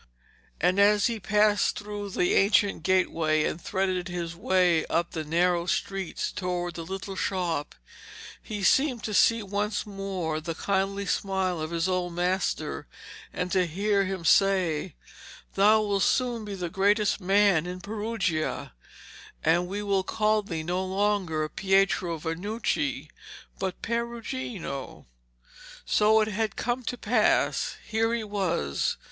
And as he passed through the ancient gateway and threaded his way up the narrow street towards the little shop, he seemed to see once more the kindly smile of his old master and to hear him say, 'Thou wilt soon be the greatest man in Perugia, and we will call thee no longer Pietro Vanucci, but Perugino.' So it had come to pass. Here he was.